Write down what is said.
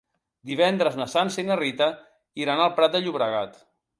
Divendres na Sança i na Rita iran al Prat de Llobregat.